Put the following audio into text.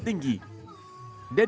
tidak ada yang tinggi